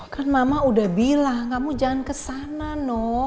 kan mama udah bilang kamu jangan kesana no